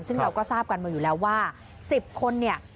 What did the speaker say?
ซึ่งเราก็ทราบกันมาอยู่แล้วว่า๑๐คนเนี่ย